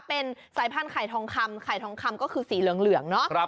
เป็นสายพันธุไข่ทองคำไข่ทองคำก็คือสีเหลืองเนาะ